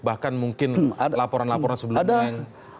bahkan mungkin laporan laporan sebelumnya yang menjatuhkan sangsi ringan